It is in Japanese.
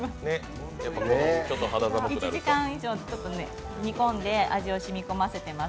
１時間以上、煮込んで味を染み込ませてます。